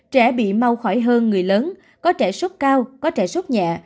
trẻ bị mau khỏi hơn người lớn có trẻ sốt cao có trẻ sốt nhẹ